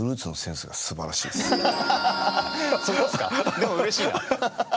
でもうれしいな。